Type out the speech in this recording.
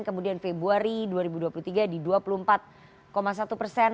kemudian februari dua ribu dua puluh tiga di dua puluh empat satu persen